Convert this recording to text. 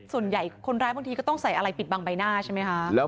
ส่วนใหญ่คนร้ายบางทีก็ต้องใส่อะไรปิดบังใบหน้าใช่ไหมคะ